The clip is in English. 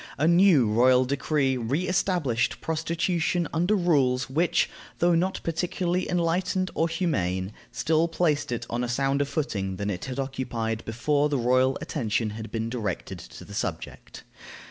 A new royal decree re established prostitution under rules which, though not particularly enlightened or humane, still placed it on a sounder footing than it had occupied before the royal attention had been directed to the subject.